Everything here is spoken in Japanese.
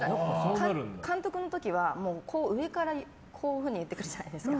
監督の時は上からこういうふうに言ってくるじゃないですか。